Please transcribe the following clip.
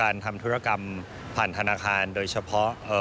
ทำธุรกรรมผ่านธนาคารโดยเฉพาะ